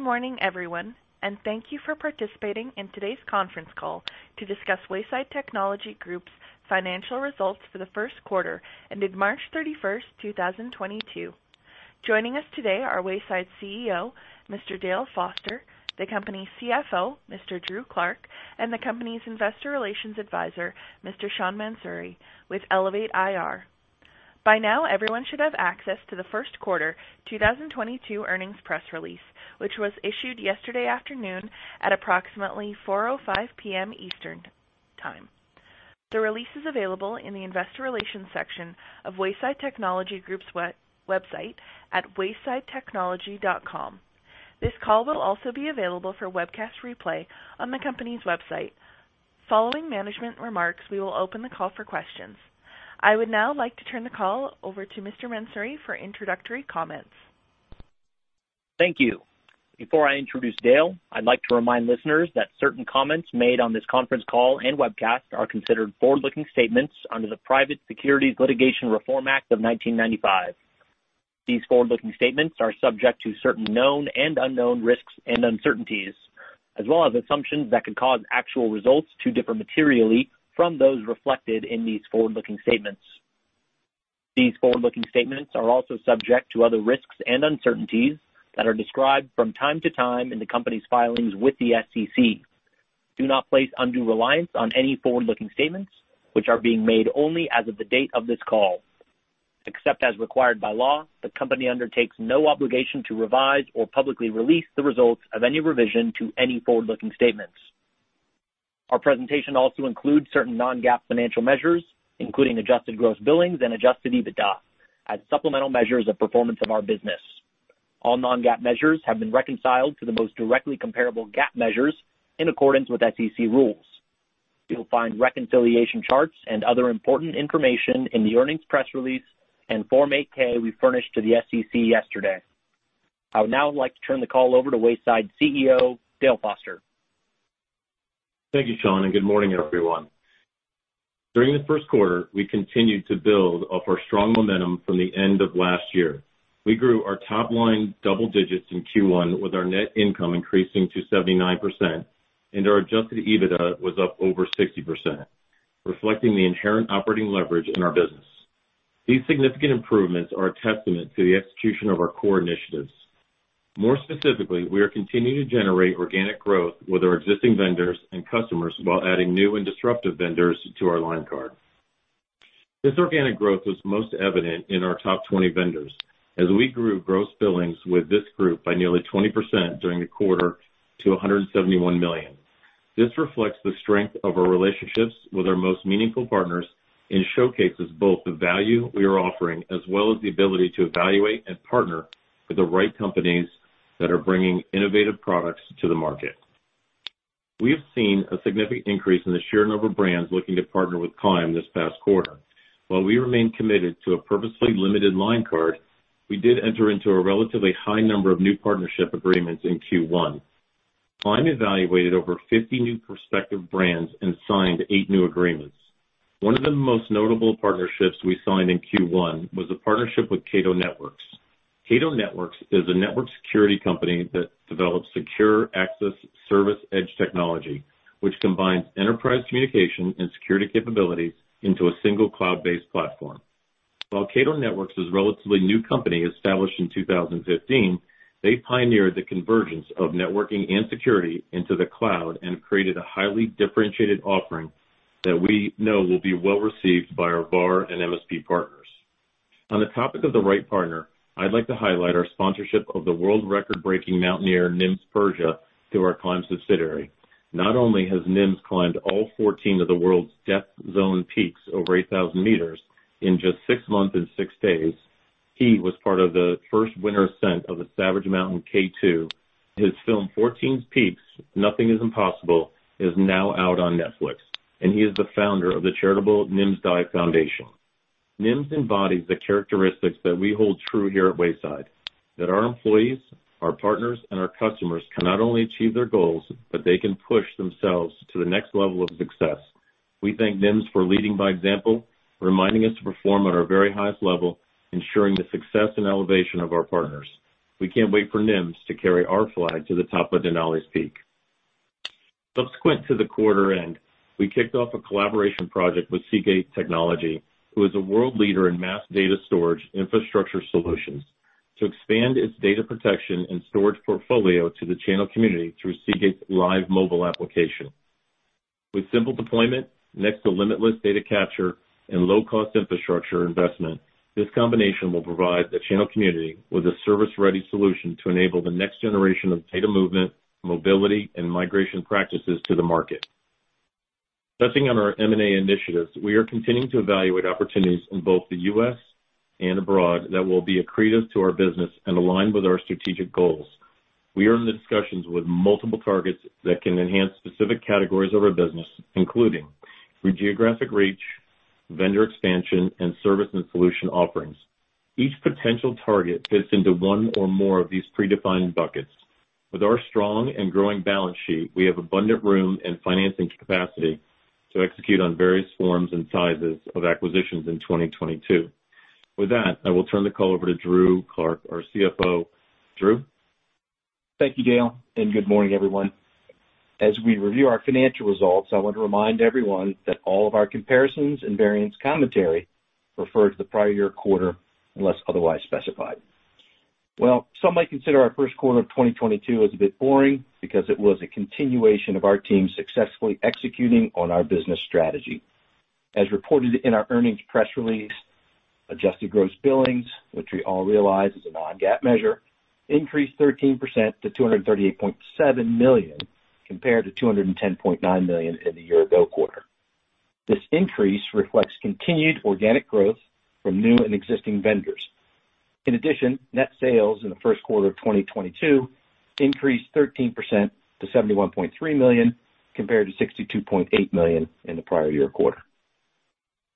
Good morning, everyone, and thank you for participating in today's conference call to discuss Wayside Technology Group's financial results for the first quarter ended March 31, 2022. Joining us today are Wayside CEO, Mr. Dale Foster, the company's CFO, Mr. Andrew Clark, and the company's Investor Relations Advisor, Mr. Sean Mansouri, with Elevate IR. By now, everyone should have access to the first quarter 2022 earnings press release, which was issued yesterday afternoon at approximately 4:05 PM Eastern Time. The release is available in the investor relations section of Wayside Technology Group's website at waysidetechnology.com. This call will also be available for webcast replay on the company's website. Following management remarks, we will open the call for questions. I would now like to turn the call over to Mr. Mansouri for introductory comments. Thank you. Before I introduce Dale, I'd like to remind listeners that certain comments made on this conference call and webcast are considered forward-looking statements under the Private Securities Litigation Reform Act of 1995. These forward-looking statements are subject to certain known and unknown risks and uncertainties, as well as assumptions that could cause actual results to differ materially from those reflected in these forward-looking statements. These forward-looking statements are also subject to other risks and uncertainties that are described from time to time in the company's filings with the SEC. Do not place undue reliance on any forward-looking statements which are being made only as of the date of this call. Except as required by law, the company undertakes no obligation to revise or publicly release the results of any revision to any forward-looking statements. Our presentation also includes certain non-GAAP financial measures, including adjusted gross billings and adjusted EBITDA, as supplemental measures of performance of our business. All non-GAAP measures have been reconciled to the most directly comparable GAAP measures in accordance with SEC rules. You'll find reconciliation charts and other important information in the earnings press release and Form 8-K we furnished to the SEC yesterday. I would now like to turn the call over to Wayside CEO, Dale Foster. Thank you, Sean, and good morning, everyone. During the first quarter, we continued to build off our strong momentum from the end of last year. We grew our top line double digits in Q1, with our net income increasing to 79%, and our adjusted EBITDA was up over 60%, reflecting the inherent operating leverage in our business. These significant improvements are a testament to the execution of our core initiatives. More specifically, we are continuing to generate organic growth with our existing vendors and customers while adding new and disruptive vendors to our line card. This organic growth was most evident in our top 20 vendors as we grew gross billings with this group by nearly 20% during the quarter to $171 million. This reflects the strength of our relationships with our most meaningful partners and showcases both the value we are offering as well as the ability to evaluate and partner with the right companies that are bringing innovative products to the market. We have seen a significant increase in the sheer number of brands looking to partner with Climb this past quarter. While we remain committed to a purposely limited line card, we did enter into a relatively high number of new partnership agreements in Q1. Climb evaluated over 50 new prospective brands and signed eight new agreements. One of the most notable partnerships we signed in Q1 was a partnership with Cato Networks. Cato Networks is a network security company that develops secure access service edge technology, which combines enterprise communication and security capabilities into a single cloud-based platform. While Cato Networks is a relatively new company established in 2015, they pioneered the convergence of networking and security into the cloud and created a highly differentiated offering that we know will be well received by our VAR and MSP partners. On the topic of the right partner, I'd like to highlight our sponsorship of the world record-breaking mountaineer Nims Purja through our Climb subsidiary. Not only has Nims climbed all 14 of the world's death zone peaks over 8,000 m in just six months and six days, he was part of the first winter ascent of the Savage Mountain K2. His film Fourteen Peaks: Nothing Is Impossible is now out on Netflix, and he is the founder of the charitable Nimsdai Foundation. Nims Purja embodies the characteristics that we hold true here at Wayside, that our employees, our partners, and our customers can not only achieve their goals, but they can push themselves to the next level of success. We thank Nims Purja for leading by example, reminding us to perform at our very highest level, ensuring the success and elevation of our partners. We can't wait for Nims Purja to carry our flag to the top of Denali's Peak. Subsequent to the quarter end, we kicked off a collaboration project with Seagate Technology, who is a world leader in mass data storage infrastructure solutions, to expand its data protection and storage portfolio to the channel community through Seagate's Lyve Mobile application With simple deployment next to limitless data capture and low cost infrastructure investment, this combination will provide the channel community with a service-ready solution to enable the next generation of data movement, mobility and migration practices to the market. Touching on our M&A initiatives, we are continuing to evaluate opportunities in both the U.S. and abroad that will be accretive to our business and align with our strategic goals. We are in the discussions with multiple targets that can enhance specific categories of our business, including through geographic reach, vendor expansion, and service and solution offerings. Each potential target fits into one or more of these predefined buckets. With our strong and growing balance sheet, we have abundant room and financing capacity to execute on various forms and sizes of acquisitions in 2022. With that, I will turn the call over to Drew Clark, our CFO. Drew? Thank you, Dale, and good morning, everyone. As we review our financial results, I want to remind everyone that all of our comparisons and variance commentary refer to the prior year quarter, unless otherwise specified. Well, some might consider our first quarter of 2022 as a bit boring because it was a continuation of our team successfully executing on our business strategy. As reported in our earnings press release, adjusted gross billings, which we all realize is a non-GAAP measure, increased 13% to $238.7 million, compared to $210.9 million in the year ago quarter. This increase reflects continued organic growth from new and existing vendors. In addition, net sales in the first quarter of 2022 increased 13% to $71.3 million, compared to $62.8 million in the prior year quarter.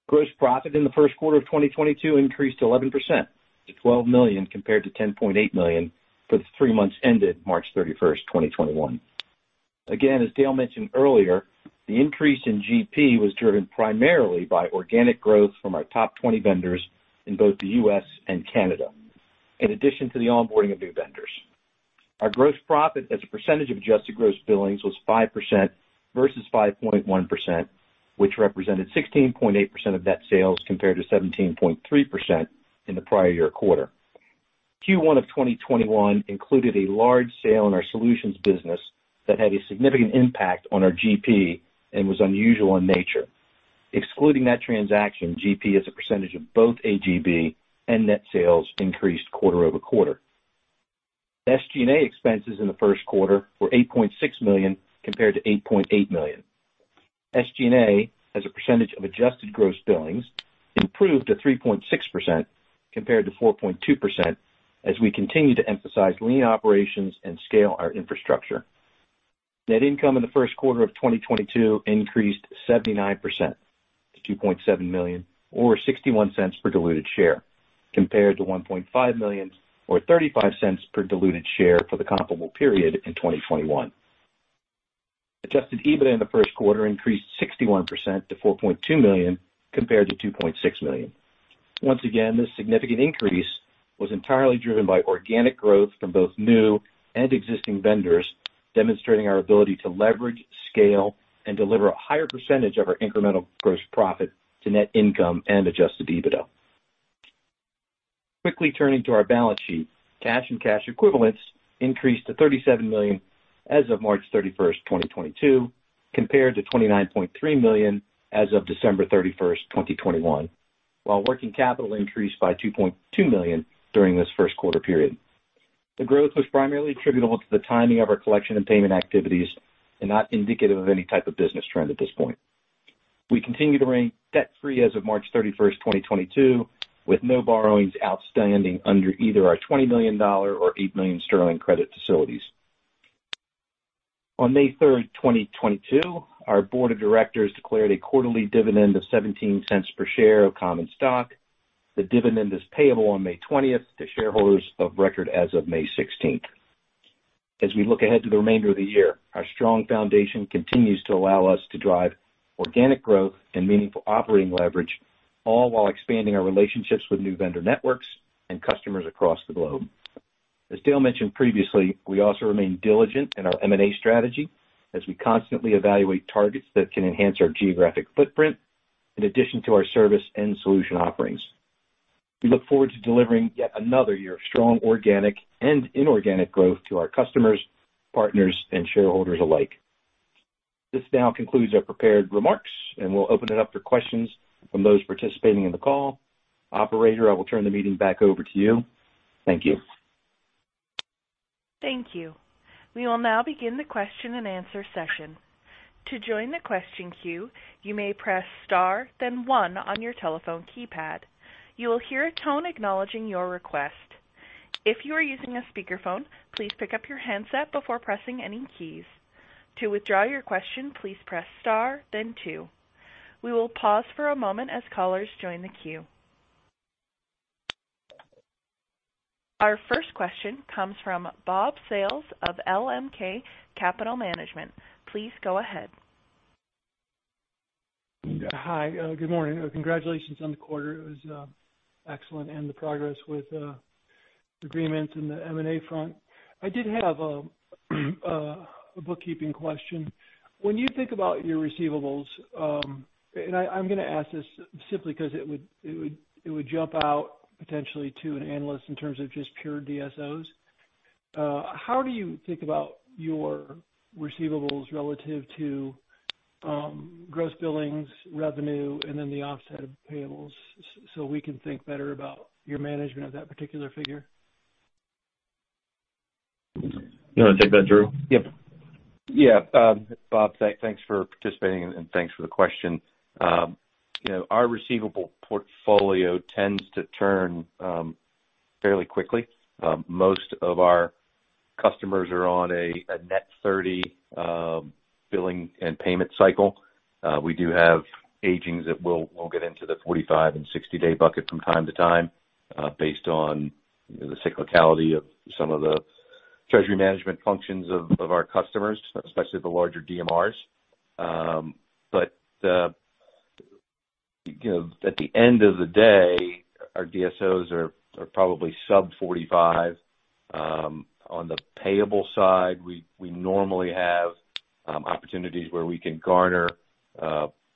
Gross profit in the first quarter of 2022 increased 11% to $12 million, compared to $10.8 million for the three months ended March 31, 2021. As Dale mentioned earlier, the increase in GP was driven primarily by organic growth from our top 20 vendors in both the U.S. and Canada, in addition to the onboarding of new vendors. Our gross profit as a percentage of adjusted gross billings was 5% versus 5.1%, which represented 16.8% of net sales compared to 17.3% in the prior year quarter. Q1 of 2021 included a large sale in our solutions business that had a significant impact on our GP and was unusual in nature. Excluding that transaction, GP as a percentage of both AGB and net sales increased quarter-over-quarter. SG&A expenses in the first quarter were $8.6 million compared to $8.8 million. SG&A, as a percentage of adjusted gross billings, improved to 3.6% compared to 4.2% as we continue to emphasize lean operations and scale our infrastructure. Net income in the first quarter of 2022 increased 79% to $2.7 million or $0.61 per diluted share, compared to $1.5 million or $0.35 per diluted share for the comparable period in 2021. Adjusted EBITDA in the first quarter increased 61% to $4.2 million compared to $2.6 million. Once again, this significant increase was entirely driven by organic growth from both new and existing vendors, demonstrating our ability to leverage, scale, and deliver a higher percentage of our incremental gross profit to net income and adjusted EBITDA. Quickly turning to our balance sheet. Cash and cash equivalents increased to $37 million as of March 31, 2022, compared to $29.3 million as of December 31, 2021, while working capital increased by $2.2 million during this first quarter period. The growth was primarily attributable to the timing of our collection and payment activities and not indicative of any type of business trend at this point. We continue to remain debt-free as of March 31, 2022, with no borrowings outstanding under either our $20 million or 8 million sterling credit facilities. On May 3, 2022, our board of directors declared a quarterly dividend of $0.17 per share of common stock. The dividend is payable on May 20 to shareholders of record as of May 16. As we look ahead to the remainder of the year, our strong foundation continues to allow us to drive organic growth and meaningful operating leverage, all while expanding our relationships with new vendor networks and customers across the globe. As Dale mentioned previously, we also remain diligent in our M&A strategy as we constantly evaluate targets that can enhance our geographic footprint in addition to our service and solution offerings. We look forward to delivering yet another year of strong organic and inorganic growth to our customers, partners, and shareholders alike. This now concludes our prepared remarks, and we'll open it up for questions from those participating in the call. Operator, I will turn the meeting back over to you. Thank you. Thank you. We will now begin the question-and-answer session. To join the question queue, you may press star then one on your telephone keypad. You will hear a tone acknowledging your request. If you are using a speakerphone, please pick up your handset before pressing any keys. To withdraw your question, please press star then two. We will pause for a moment as callers join the queue. Our first question comes from Bob Sales of LMK Capital Management. Please go ahead. Hi. Good morning. Congratulations on the quarter. It was excellent and the progress with agreements in the M&A front. I did have a bookkeeping question. When you think about your receivables, and I'm gonna ask this simply 'cause it would jump out potentially to an analyst in terms of just pure DSOs. How do you think about your receivables relative to gross billings, revenue, and then the offset of payables so we can think better about your management of that particular figure? You wanna take that, Drew? Yeah. Bob, thanks for participating and thanks for the question. You know, our receivable portfolio tends to turn fairly quickly. Most of our customers are on a net 30 billing and payment cycle. We do have agings that will get into the 45- and 60-day bucket from time to time, based on the cyclicality of some of the treasury management functions of our customers, especially the larger DMRs. At the end of the day, our DSOs are probably sub 45. On the payable side, we normally have opportunities where we can garner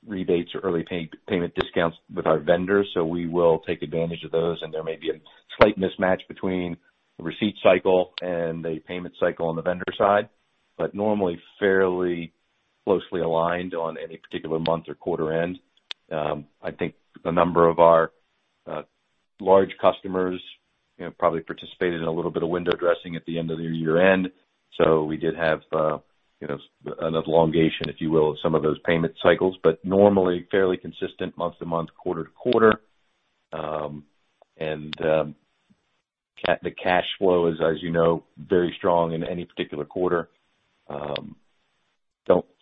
rebates or early payment discounts with our vendors, so we will take advantage of those. There may be a slight mismatch between the receipt cycle and the payment cycle on the vendor side, but normally fairly closely aligned on any particular month or quarter end. I think a number of our large customers, you know, probably participated in a little bit of window dressing at the end of the year end. We did have, you know, an elongation, if you will, of some of those payment cycles, but normally fairly consistent month to month, quarter-to-quarter. The cash flow is, as you know, very strong in any particular quarter.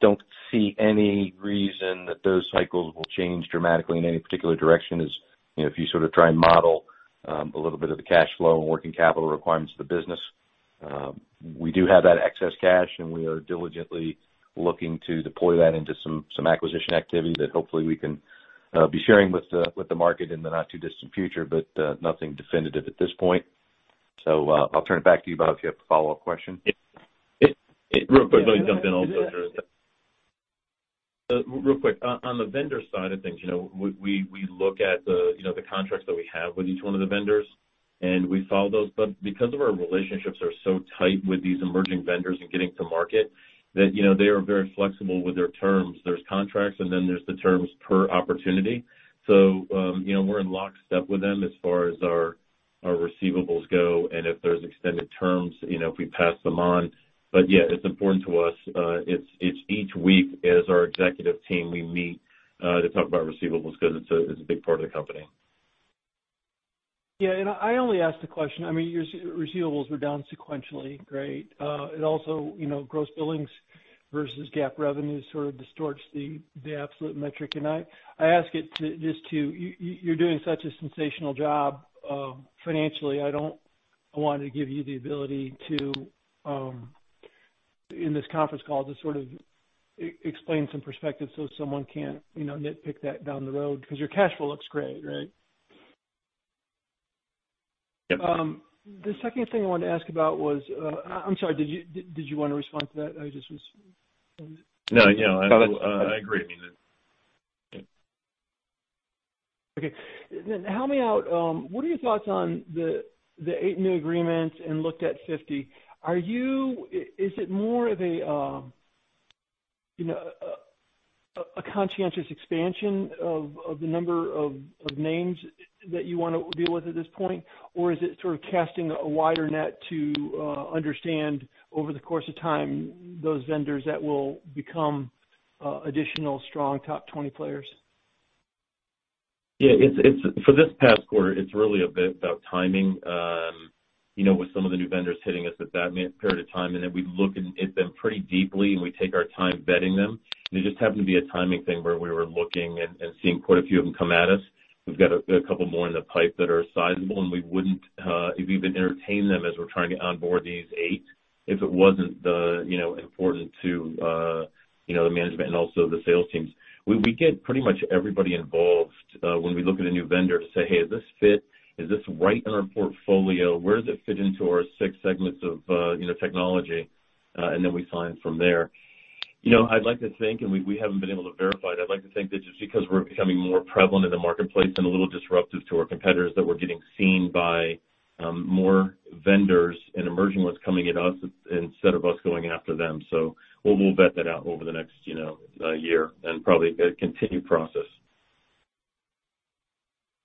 Don't see any reason that those cycles will change dramatically in any particular direction. As you know, if you sort of try and model a little bit of the cash flow and working capital requirements of the business, we do have that excess cash, and we are diligently looking to deploy that into some acquisition activity that hopefully we can be sharing with the market in the not too distant future. Nothing definitive at this point. I'll turn it back to you, Bob, if you have a follow-up question. Real quick. Let me jump in also. Yeah. Real quick, on the vendor side of things, you know, we look at the you know the contracts that we have with each one of the vendors, and we follow those. Because of our relationships are so tight with these emerging vendors in getting to market that, you know, they are very flexible with their terms. There's contracts and then there's the terms per opportunity. You know, we're in lockstep with them as far as our receivables go. If there's extended terms, you know, if we pass them on. Yeah, it's important to us. It's each week as our executive team we meet to talk about receivables because it's a big part of the company. Yeah. I only ask the question, I mean, your receivables were down sequentially, right? Also, you know, gross billings versus GAAP revenues sort of distorts the absolute metric. I ask it just to you're doing such a sensational job financially. I don't want to give you the ability to, in this conference call, sort of explain some perspective so someone can't, you know, nitpick that down the road because your cash flow looks great, right? Yep. The second thing I wanted to ask about was. I'm sorry, did you want to respond to that? No, yeah. I agree. I mean it. Okay. Help me out. What are your thoughts on the eight new agreements and look at 50? Is it more of a conscientious expansion of the number of names that you wanna deal with at this point? Or is it sort of casting a wider net to understand over the course of time those vendors that will become additional strong top 20 players? Yeah. It's for this past quarter, it's really a bit about timing. With some of the new vendors hitting us at that period of time, and then we look at them pretty deeply, and we take our time vetting them. It just happened to be a timing thing where we were looking and seeing quite a few of them come at us. We've got a couple more in the pipe that are sizable, and we wouldn't even entertain them as we're trying to onboard these eight if it wasn't, you know, important to, you know, the management and also the sales teams. We get pretty much everybody involved when we look at a new vendor to say, "Hey, does this fit? Is this right in our portfolio? Where does it fit into our six segments of, you know, technology?" We sign from there. You know, I'd like to think, and we haven't been able to verify it. I'd like to think that just because we're becoming more prevalent in the marketplace and a little disruptive to our competitors, that we're getting seen by, more vendors and emerging ones coming at us instead of us going after them. We'll vet that out over the next, you know, year and probably a continued process.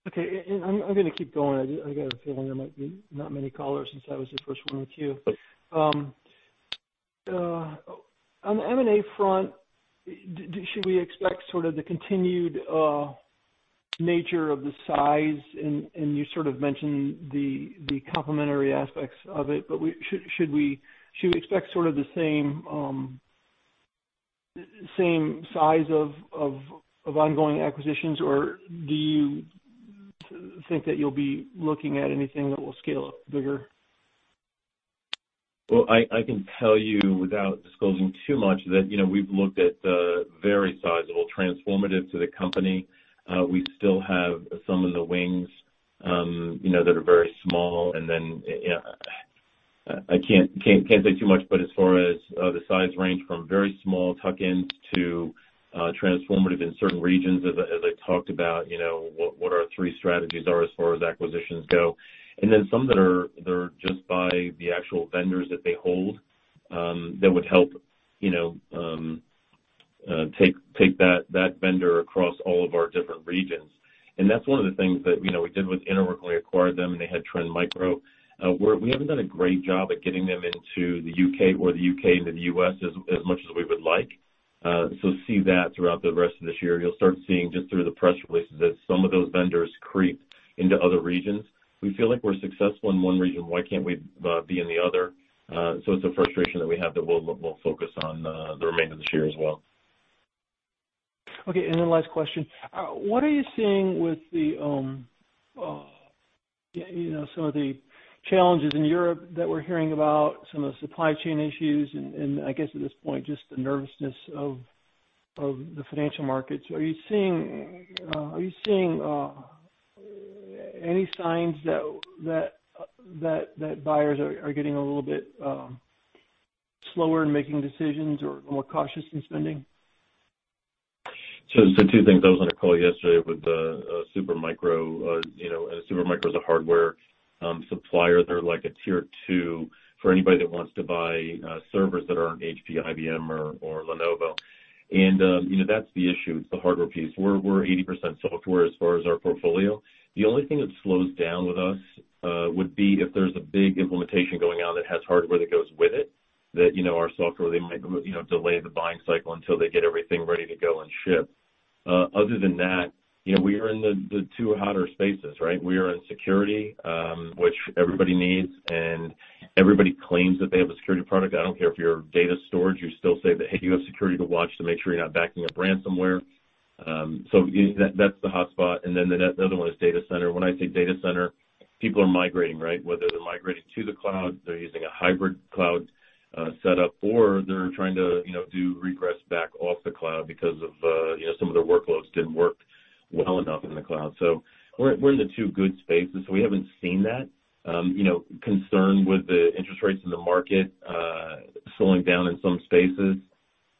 Okay. I'm gonna keep going. I got a feeling there might be not many callers since I was the first one with you. On the M&A front, should we expect sort of the continued nature of the size and you sort of mentioned the complementary aspects of it. Should we expect sort of the same size of ongoing acquisitions? Or do you think that you'll be looking at anything that will scale up bigger? Well, I can tell you without disclosing too much that, you know, we've looked at very sizable transformative to the company. We still have some in the wings, you know, that are very small. I can't say too much, but as far as the size range from very small tuck-ins to transformative in certain regions, as I talked about, you know, what our three strategies are as far as acquisitions go. Some that are just by the actual vendors that they hold that would help, you know, take that vendor across all of our different regions. That's one of the things that, you know, we did with Interwork when we acquired them, and they had Trend Micro. We haven't done a great job at getting them into the U.K. or the U.K. into the U.S. as much as we would like. You'll see that throughout the rest of this year. You'll start seeing just through the press releases that some of those vendors creep into other regions. We feel like we're successful in one region, why can't we be in the other? It's a frustration that we have that we'll focus on the remainder of this year as well. Okay. Last question. What are you seeing with the you know some of the challenges in Europe that we're hearing about some of the supply chain issues and I guess at this point just the nervousness of the financial markets. Are you seeing any signs that buyers are getting a little bit slower in making decisions or more cautious in spending? Two things. I was on a call yesterday with Supermicro. You know, Supermicro is a hardware supplier. They're like a tier two for anybody that wants to buy servers that aren't HP, IBM or Lenovo. You know, that's the issue, it's the hardware piece. We're 80% software as far as our portfolio. The only thing that slows down with us would be if there's a big implementation going on that has hardware that goes with it, you know, our software, they might, you know, delay the buying cycle until they get everything ready to go and ship. Other than that, you know, we are in the two hotter spaces, right? We are in security, which everybody needs, and everybody claims that they have a security product. I don't care if you're data storage. You still say that, hey, you have security to watch to make sure you're not backing up ransomware. So that's the hotspot. Then the other one is data center. When I say data center, people are migrating, right? Whether they're migrating to the cloud, they're using a hybrid cloud setup or they're trying to, you know, do regress back off the cloud because of, you know, some of their workloads didn't work well enough in the cloud. We're in the two good spaces, so we haven't seen that, you know, concern with the interest rates in the market slowing down in some spaces.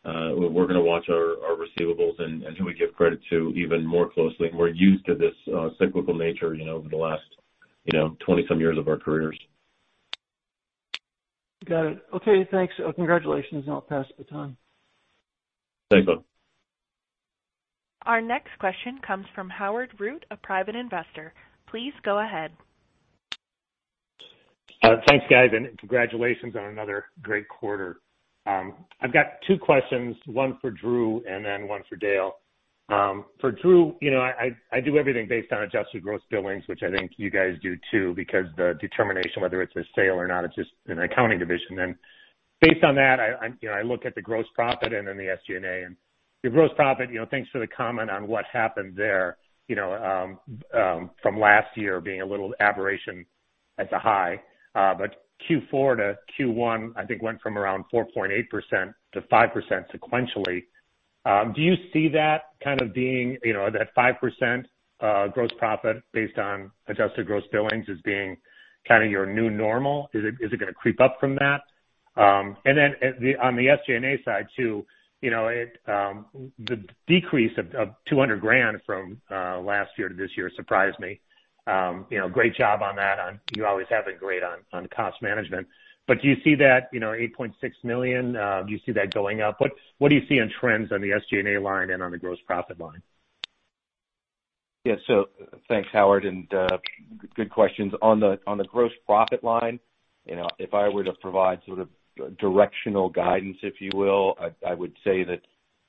We're gonna watch our receivables and who we give credit to even more closely. We're used to this cyclical nature, you know, over the last, you know, 20-some years of our careers. Got it. Okay, thanks. Congratulations on passing the time. Thanks, bud. Our next question comes from Howard Root, a private investor. Please go ahead. Thanks, guys, and congratulations on another great quarter. I've got two questions, one for Drew and then one for Dale. For Drew, you know, I do everything based on adjusted gross billings, which I think you guys do too, because the determination, whether it's a sale or not, it's just an accounting decision. Based on that, you know, I look at the gross profit and then the SG&A. Your gross profit, you know, thanks for the comment on what happened there, you know, from last year being a little aberration at the high. Q4 to Q1, I think went from around 4.8%-5% sequentially. Do you see that kind of being, you know, that 5% gross profit based on adjusted gross billings as being kind of your new normal? Is it gonna creep up from that? On the SG&A side too, you know, the decrease of $200,000 from last year to this year surprised me. Great job on that. You always have been great on cost management. Do you see that $8.6 million going up? What do you see on trends on the SG&A line and on the gross profit line? Yeah. Thanks, Howard, and good questions. On the gross profit line, you know, if I were to provide sort of directional guidance, if you will, I would say that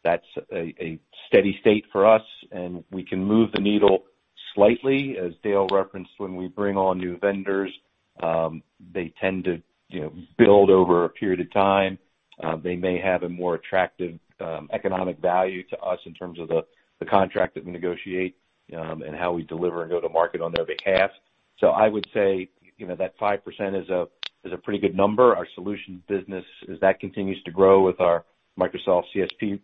that's a steady state for us, and we can move the needle slightly. As Dale referenced, when we bring on new vendors, they tend to, you know, build over a period of time. They may have a more attractive economic value to us in terms of the contract that we negotiate, and how we deliver and go to market on their behalf. I would say, you know, that 5% is a pretty good number. Our solutions business as that continues to grow with our Microsoft CSP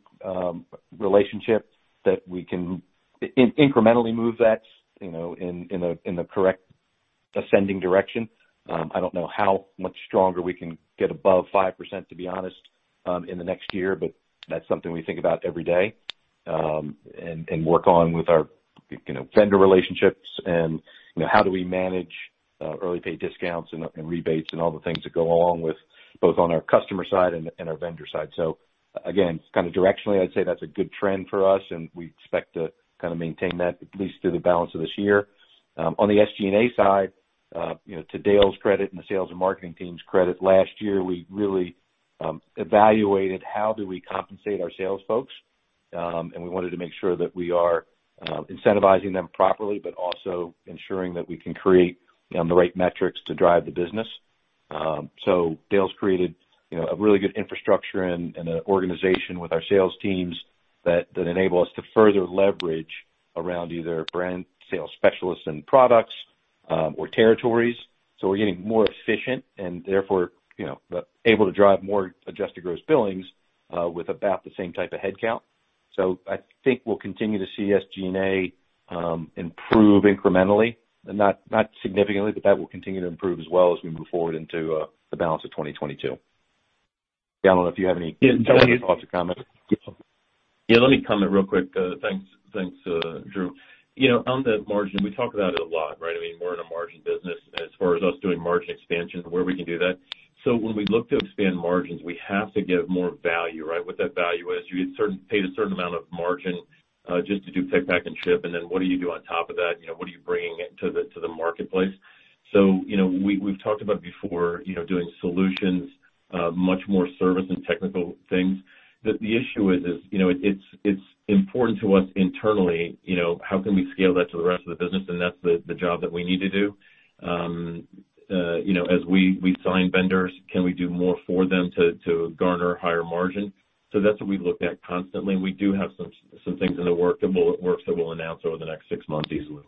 relationship that we can incrementally move that, you know, in a correct ascending direction. I don't know how much stronger we can get above 5%, to be honest, in the next year, but that's something we think about every day, and work on with our, you know, vendor relationships and, you know, how do we manage early pay discounts and rebates and all the things that go along with both on our customer side and our vendor side. So again, kind of directionally, I'd say that's a good trend for us, and we expect to kind of maintain that at least through the balance of this year. On the SG&A side, you know, to Dale's credit and the sales and marketing team's credit, last year we really evaluated how do we compensate our sales folks, and we wanted to make sure that we are incentivizing them properly, but also ensuring that we can create, you know, the right metrics to drive the business. Dale's created, you know, a really good infrastructure and an organization with our sales teams that enable us to further leverage around either brand sales specialists and products, or territories. We're getting more efficient and therefore, you know, able to drive more adjusted gross billings with about the same type of headcount. I think we'll continue to see SG&A improve incrementally and not significantly, but that will continue to improve as well as we move forward into the balance of 2022. Dale, I don't know if you have any thoughts or comments. Yeah, let me comment real quick. Thanks, Drew. You know, on the margin, we talk about it a lot, right? I mean, we're in a margin business as far as us doing margin expansion where we can do that. When we look to expand margins, we have to give more value, right? What that value is, you pay a certain amount of margin just to do pick, pack, and ship, and then what do you do on top of that? You know, what are you bringing it to the marketplace? You know, we've talked about before, you know, doing solutions, much more service and technical things. The issue is, you know, it's important to us internally, you know, how can we scale that to the rest of the business? That's the job that we need to do. You know, as we sign vendors, can we do more for them to garner higher margin? That's what we look at constantly. We do have some things in the works that we'll announce over the next six months easily.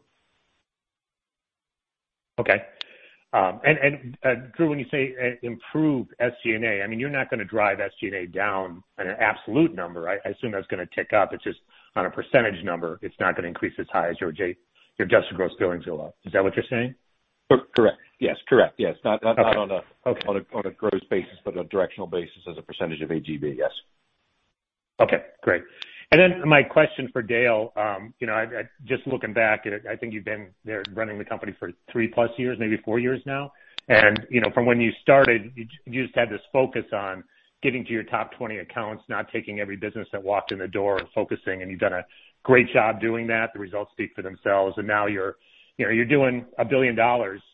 Drew, when you say improve SG&A, I mean, you're not gonna drive SG&A down at an absolute number. I assume that's gonna tick up. It's just on a percentage number it's not gonna increase as high as your adjusted gross billings will up. Is that what you're saying? Correct. Yes. Correct. Yes. Not Okay. On a gross basis, but on a directional basis as a percentage of AGB. Yes. Okay, great. My question for Dale, you know, I just looking back, I think you've been there running the company for 3+ years, maybe four years now. You know, from when you started, you just had this focus on getting to your top 20 accounts, not taking every business that walked in the door and focusing, and you've done a great job doing that. The results speak for themselves. Now you're doing $1 billion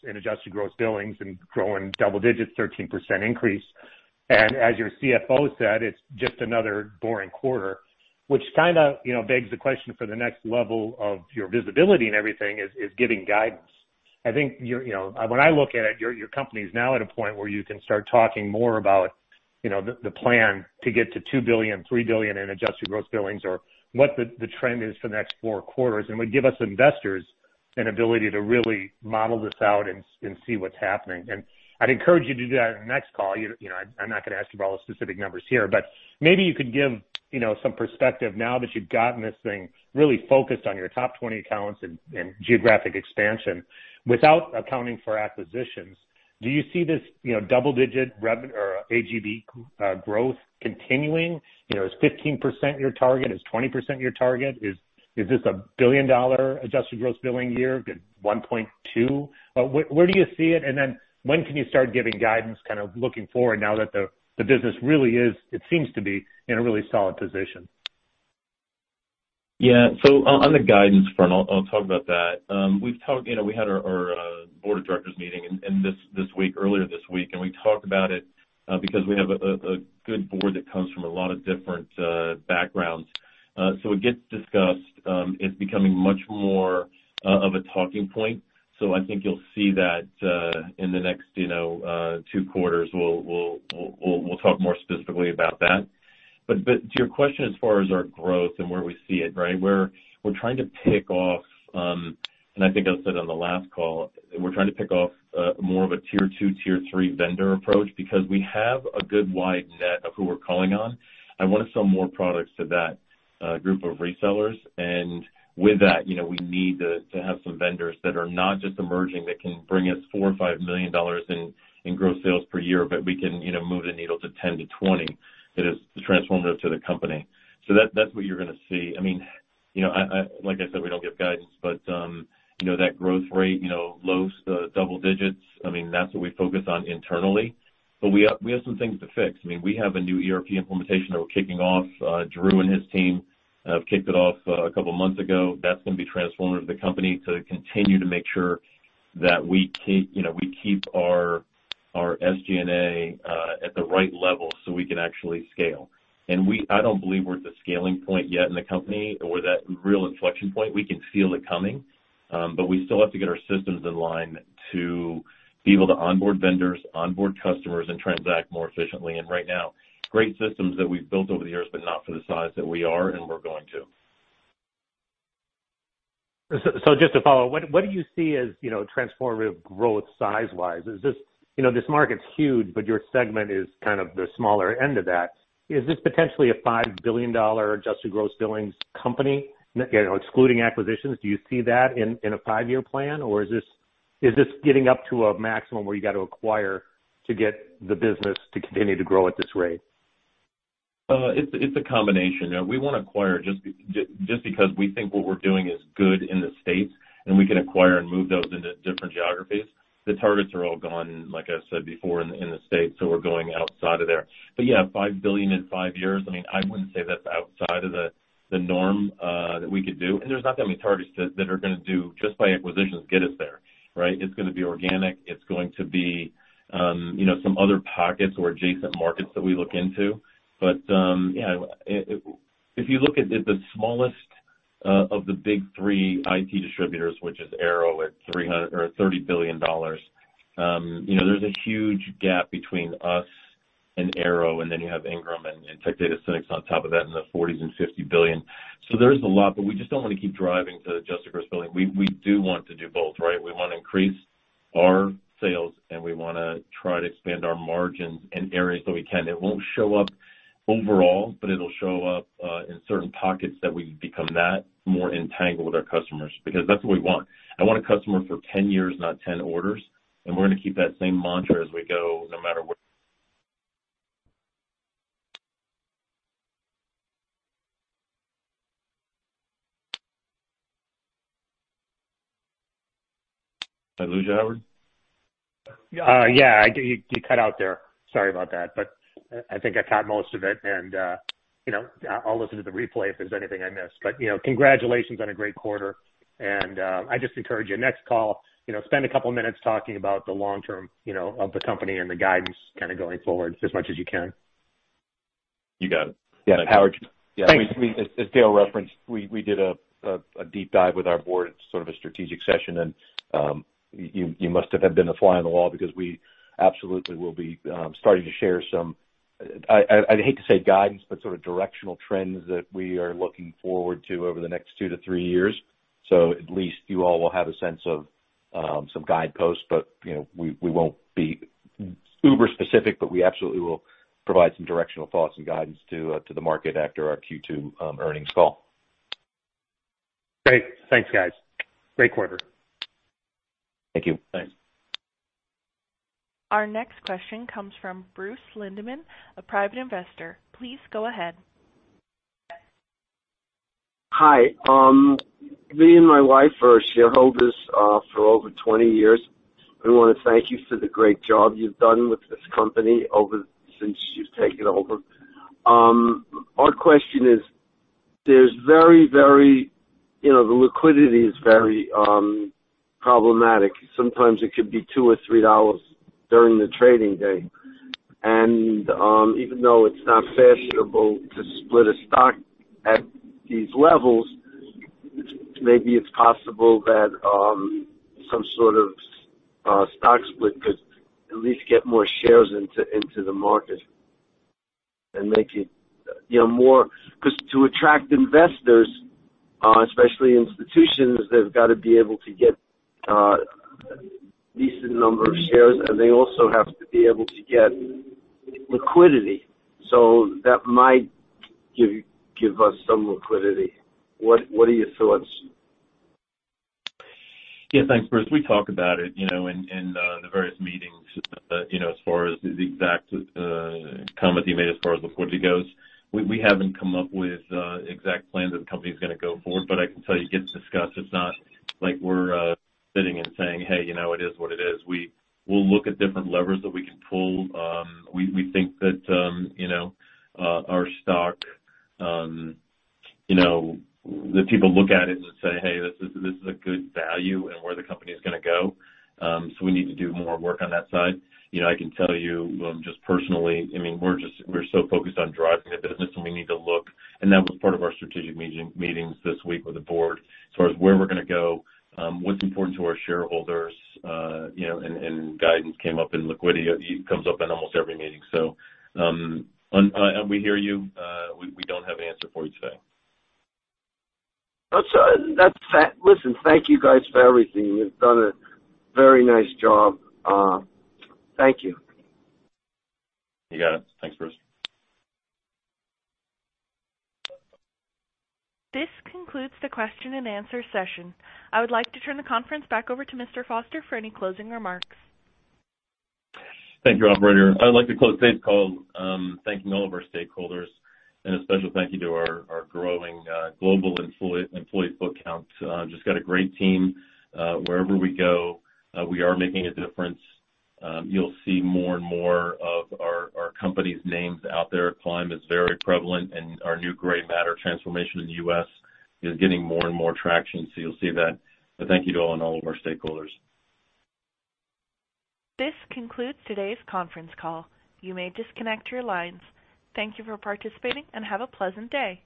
in adjusted gross billings and growing double digits, 13% increase. As your CFO said, it's just another boring quarter, which kind of, you know, begs the question for the next level of your visibility and everything is giving guidance. I think, you know, when I look at it, your company is now at a point where you can start talking more about, you know, the plan to get to $2 billion, $3 billion in adjusted gross billings or what the trend is for the next four quarters, and would give us investors an ability to really model this out and see what's happening. I'd encourage you to do that on the next call. You know, I'm not gonna ask you for all the specific numbers here, but maybe you could give, you know, some perspective now that you've gotten this thing really focused on your top 20 accounts and geographic expansion. Without accounting for acquisitions, do you see this, you know, double digit or AGB growth continuing? You know, is 15% your target? Is 20% your target? Is this a billion-dollar adjusted gross billings year? $1.2 billion? Where do you see it? When can you start giving guidance, kind of looking forward now that the business really it seems to be, in a really solid position? Yeah. On the guidance front, I'll talk about that. You know, we had our board of directors meeting earlier this week, and we talked about it because we have a good board that comes from a lot of different backgrounds. It gets discussed. It's becoming much more of a talking point. I think you'll see that in the next, two quarters. We'll talk more specifically about that. But to your question, as far as our growth and where we see it, right? We're trying to pick off. I think I said on the last call, we're trying to pick off more of a tier two, tier three vendor approach because we have a good wide net of who we're calling on. I want to sell more products to that group of resellers. With that, you know, we need to have some vendors that are not just emerging, that can bring us $4 million or $5 million in gross sales per year, but we can move the needle to $10 million-$20 million. That is transformative to the company. That, that's what you're gonna see. I mean, you know, like I said, we don't give guidance, but, you know, that growth rate, you know, low double digits, I mean, that's what we focus on internally. But we have some things to fix. I mean, we have a new ERP implementation that we're kicking off. Drew and his team have kicked it off a couple of months ago. That's gonna be transformative to the company to continue to make sure that you know, we keep our SG&A at the right level so we can actually scale. I don't believe we're at the scaling point yet in the company or that real inflection point. We can feel it coming, but we still have to get our systems in line to be able to onboard vendors, onboard customers, and transact more efficiently. Right now, great systems that we've built over the years, but not for the size that we are and we're going to. Just to follow, what do you see as, you know, transformative growth size-wise? This market's huge, but your segment is kind of the smaller end of that. Is this potentially a $5 billion adjusted gross billings company? You know, excluding acquisitions, do you see that in a five-year plan? Or is this getting up to a maximum where you got to acquire to get the business to continue to grow at this rate? It's a combination. We wanna acquire just because we think what we're doing is good in the States and we can acquire and move those into different geographies. The targets are all gone, like I said before, in the States, so we're going outside of there. Yeah, $5 billion in 5 years, I mean, I wouldn't say that's outside of the norm that we could do. There's not that many targets that are gonna do just by acquisitions, get us there, right? It's gonna be organic. It's going to be, you know, some other pockets or adjacent markets that we look into. Yeah, if you look at the smallest of the big three IT distributors, which is Arrow at $30 billion, you know, there's a huge gap between us and Arrow, and then you have Ingram and Tech Data and SYNNEX on top of that in the 40s billion and $50 billion. There is a lot, but we just don't want to keep driving to adjusted gross billings. We do want to do both, right? We wanna increase our sales, and we wanna try to expand our margins in areas that we can. It won't show up overall, but it'll show up in certain pockets that we become that more entangled with our customers, because that's what we want. I want a customer for 10 years, not 10 orders. We're gonna keep that same mantra as we go, no matter what. Did I lose you, Howard? Yeah, you cut out there. Sorry about that, but I think I caught most of it and, you know, I'll listen to the replay if there's anything I missed. You know, congratulations on a great quarter. I just encourage you, next call, you know, spend a couple of minutes talking about the long-term, you know, of the company and the guidance kind of going forward as much as you can. You got it. Yeah. Howard. Thanks. As Dale referenced, we did a deep dive with our board. It's sort of a strategic session. You must have had been a fly on the wall because we absolutely will be starting to share some I'd hate to say guidance, but sort of directional trends that we are looking forward to over the next 2-3 years. At least you all will have a sense of some guideposts, but, you know, we won't be uber specific, but we absolutely will provide some directional thoughts and guidance to the market after our Q2 earnings call. Great. Thanks, guys. Great quarter. Thank you. Thanks. Our next question comes from Bruce Lindeman, a private investor. Please go ahead. Hi. Me and my wife are shareholders for over 20 years. We want to thank you for the great job you've done with this company over since you've taken over. Our question the liquidity is very problematic. Sometimes it could be $2 or $3 during the trading day. Even though it's not fashionable to split a stock at these levels, maybe it's possible that some sort of stock split could at least get more shares into the market and make it, you know, more. Because to attract investors, especially institutions, they've got to be able to get decent number of shares, and they also have to be able to get liquidity. That might give us some liquidity. What are your thoughts? Yeah. Thanks, Bruce. We talk about it, you know, in the various meetings, you know, as far as the exact comment you made as far as liquidity goes. We haven't come up with exact plans that the company is gonna go forward. I can tell you it gets discussed. It's not like we're sitting and saying, "Hey, you know, it is what it is." We'll look at different levers that we can pull. We think that, you know, our stock, you know, the people look at it and say, "Hey, this is a good value and where the company is gonna go." We need to do more work on that side. I can tell you, just personally, I mean, we're so focused on driving the business, and we need to look. That was part of our strategic meeting this week with the board as far as where we're gonna go, what's important to our shareholders, you know, and guidance came up and liquidity comes up in almost every meeting. We hear you. We don't have an answer for you today. Listen, thank you guys for everything. You've done a very nice job. Thank you. You got it. Thanks, Bruce. This concludes the question and answer session. I would like to turn the conference back over to Mr. Foster for any closing remarks. Thank you, operator. I'd like to close today's call, thanking all of our stakeholders and a special thank you to our growing global employee headcount. Just got a great team. Wherever we go, we are making a difference. You'll see more and more of our company's names out there. Climb is very prevalent, and our new Grey Matter transformation in the U.S. is getting more and more traction. You'll see that. Thank you to all of our stakeholders. This concludes today's conference call. You may disconnect your lines. Thank you for participating and have a pleasant day.